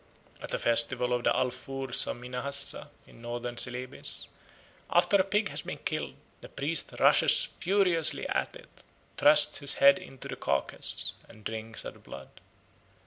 At a festival of the Alfoors of Minahassa, in Northern Celebes, after a pig has been killed, the priest rushes furiously at it, thrusts his head into the carcase, and drinks of the blood.